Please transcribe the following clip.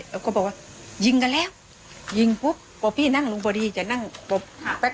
แล้วก็บอกว่ายิงกันแล้วยิงปุ๊บพอพี่นั่งลงพอดีจะนั่งตบหาแป๊บ